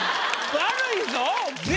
悪いぞ。